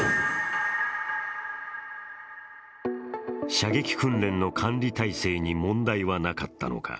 射撃訓練の管理体制に問題はなかったのか。